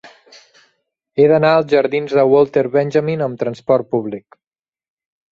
He d'anar als jardins de Walter Benjamin amb trasport públic.